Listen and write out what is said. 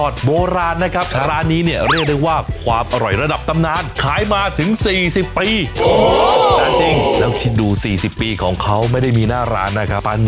จะเบาอย่างเดียวไม่ได้นะต้องทำมาหากินด้วยค่ะต้องมีไอเดียต้องคิด